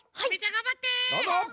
がんばって！